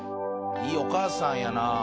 いいお母さんやな。